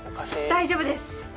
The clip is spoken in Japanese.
大丈夫です！